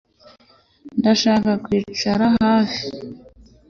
Ndashaka kwicara hafi